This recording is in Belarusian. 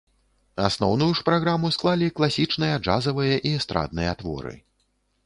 Асноўную ж праграму склалі класічныя джазавыя і эстрадныя творы.